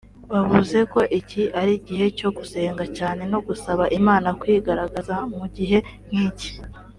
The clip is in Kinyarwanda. bavuze ko iki ari igihe cyo gusenga cyane no gusaba Imana kwigaragaza mu gihe nk’iki